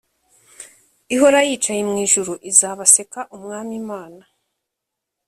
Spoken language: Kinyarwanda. Ihora yicaye mu ijuru izabaseka Umwami Imana